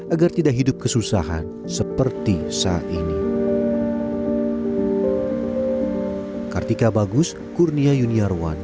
agar tidak hidup kesusahan seperti saat ini